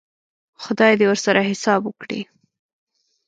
خدای دې ورسره حساب وکړي.